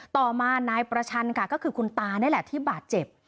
ต่อมานายประชันค่ะก็คือคุณตานี่แหละที่บาดเจ็บ